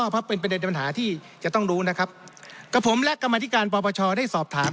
เพราะเป็นประเด็นปัญหาที่จะต้องรู้นะครับกับผมและกรรมธิการปปชได้สอบถาม